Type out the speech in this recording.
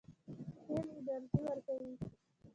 تیل انرژي ورکوي.